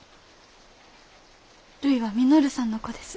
るいは稔さんの子です。